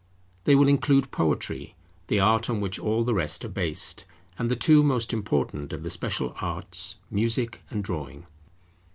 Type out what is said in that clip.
They will include Poetry, the art on which all the rest are based; and the two most important of the special arts, music and drawing.